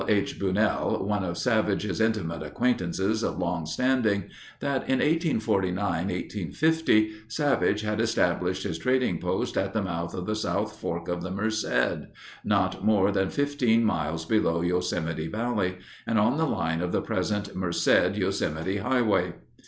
H. Bunnell, one of Savage's intimate acquaintances of long standing, that in 1849 1850 Savage had established his trading post at the mouth of the South Fork of the Merced, not more than fifteen miles below Yosemite Valley, and on the line of the present Merced Yosemite highway.